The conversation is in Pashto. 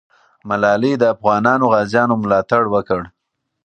ملالۍ د افغانو غازیو ملاتړ وکړ.